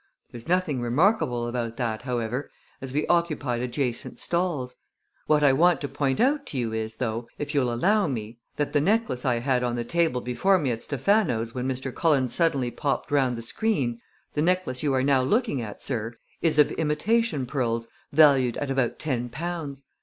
There's nothing remarkable about that, however, as we occupied adjacent stalls. What I want to point out to you is, though, if you'll allow me, that the necklace I had on the table before me at Stephano's when Mr. Cullen suddenly popped round the screen the necklace you are now looking at, sir is of imitation pearls, valued at about ten pounds.